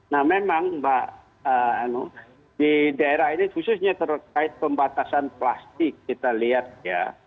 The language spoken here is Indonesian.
nah memang mbak di daerah ini khususnya terkait pembatasan plastik kita lihat ya